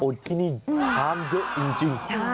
ที่นี่ช้างเยอะจริง